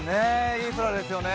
いい空ですよね。